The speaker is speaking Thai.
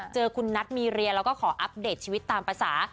เจอคุณนัทมีเรียแล้วก็ขออัปเดตชีวิตตามภาษา